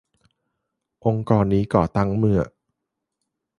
องค์กรนี้ก่อตั้งเมื่อ